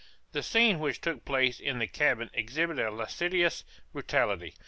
The scene which took place in the cabin exhibited a licentious brutality.